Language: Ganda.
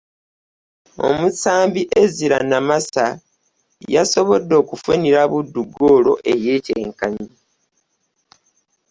Omusambi Ezra Namasa y'asobodde okufunira Buddu ggoolo ey'ekyenkanyi